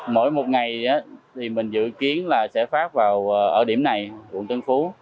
mỗi một ngày mình dự kiến sẽ phát vào ở điểm này quận tân phú